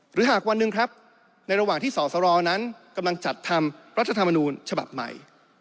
หากวันหนึ่งครับในระหว่างที่สอสรนั้นกำลังจัดทำรัฐธรรมนูญฉบับใหม่